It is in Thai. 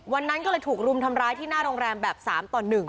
วันนั้นก็เลยถูกรุมทำร้ายที่หน้าโรงแรมแบบ๓ต่อ๑